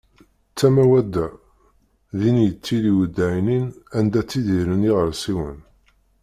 Tama wadda, din i yettili uddaynin anda ttidiren yiɣersiwen.